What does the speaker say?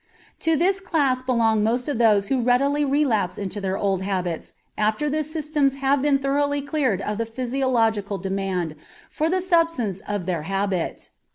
To this class belong most of those who readily relapse into their old habits after their systems have been thoroughly cleared of the physiological demand for the substance of their habit.